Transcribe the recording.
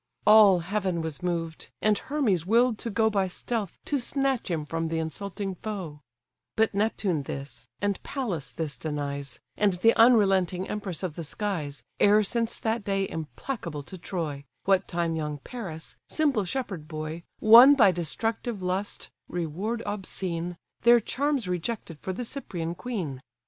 All heaven was moved, and Hermes will'd to go By stealth to snatch him from the insulting foe: But Neptune this, and Pallas this denies, And th' unrelenting empress of the skies, E'er since that day implacable to Troy, What time young Paris, simple shepherd boy, Won by destructive lust (reward obscene), Their charms rejected for the Cyprian queen.